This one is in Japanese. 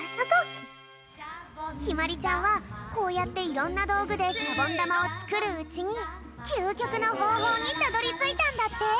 ひまりちゃんはこうやっていろんなどうぐでシャボンだまをつくるうちにきゅうきょくのほうほうにたどりついたんだって。